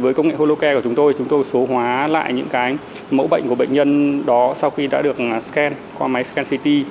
với công nghệ holocare của chúng tôi chúng tôi số hóa lại những mẫu bệnh của bệnh nhân đó sau khi đã được scan qua máy scan ct